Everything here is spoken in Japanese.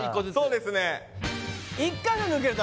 そうですね